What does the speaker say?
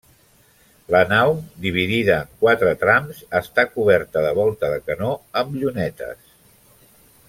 La nau, dividida en quatre trams, està coberta de volta de canó amb llunetes.